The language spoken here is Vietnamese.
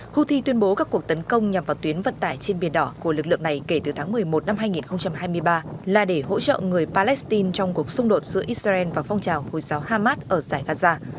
houthi tuyên bố các cuộc tấn công nhằm vào tuyến vật tải trên biển đỏ của lực lượng này kể từ tháng một mươi một năm hai nghìn hai mươi ba là để hỗ trợ người palestine trong cuộc xung đột giữa israel và phong trào hussar hamas